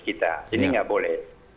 ini tidak boleh